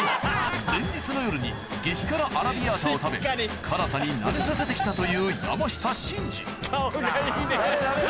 前日の夜に激辛アラビアータを食べ辛さに慣れさせて来たという何だよ。